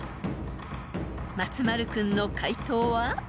［松丸君の解答は？］